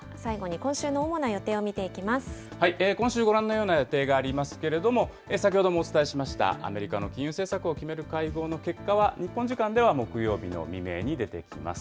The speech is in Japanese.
今週ご覧のような、予定がありますけれども、先ほどもお伝えしました、アメリカの金融政策を決める会合の結果は、日本時間では木曜日の未明に出てきます。